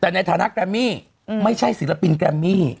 แต่ในฐานะแกรมมี่ไม่ใช่ศิลปินแกรมมี่